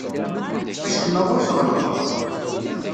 Acemma ur t-ɣellqeɣ.